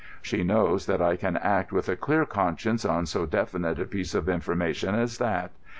She knows that I can act with a clear conscience on so definite a piece of information as that.